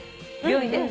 病院で。